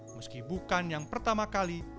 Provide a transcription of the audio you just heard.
meski bukan yang pertama kali